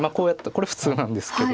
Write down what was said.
これ普通なんですけど。